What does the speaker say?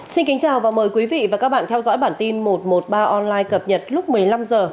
xin kính chào và mời quý vị và các bạn theo dõi bản tin một trăm một mươi ba online cập nhật lúc một mươi năm h